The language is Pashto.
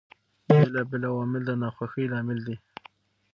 بېلابېل عوامل د ناخوښۍ لامل دي.